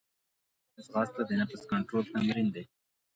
ځغاسته د نفس کنټرول تمرین دی